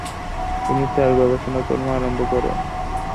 তিনি তার গবেষণাকর্ম আরম্ভ করেন।